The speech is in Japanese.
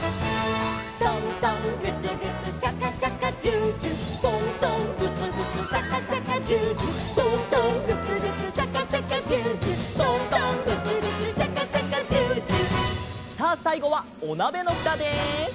「トントングツグツシャカシャカジュージュー」「トントングツグツシャカシャカジュージュー」「トントングツグツシャカシャカジュージュー」「トントングツグツシャカシャカジュージュー」さあさいごはおなべのふたで。